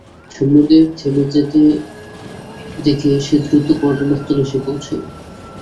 হঠাৎ সৈন্যদের থেমে যেতে দেখে সে দ্রুত ঘটনাস্থলে এসে পৌঁছে।